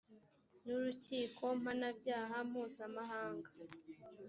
n urukiko mpanabyaha mpuzamahanga